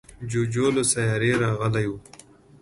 جوجو له سیارې راغلی و.